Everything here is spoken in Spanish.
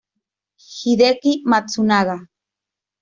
Hideki Matsunaga